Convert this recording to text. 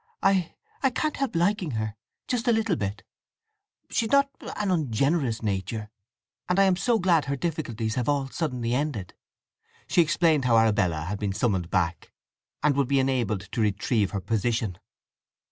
I—I can't help liking her—just a little bit! She's not an ungenerous nature; and I am so glad her difficulties have all suddenly ended." She explained how Arabella had been summoned back, and would be enabled to retrieve her position.